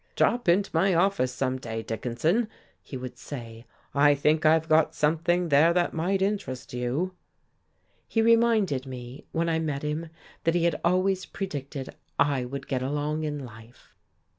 "Drop into my office some day, Dickinson," he would say. "I think I've got something there that might interest you!" He reminded me, when I met him, that he had always predicted I would get along in life....